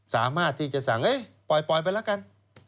สามารถที่จะสั่งปล่อยไปแล้วกัน